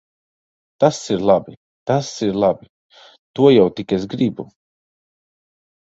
Tas ir labi! Tas ir labi! To jau tik es gribu.